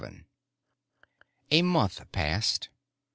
VII A month passed.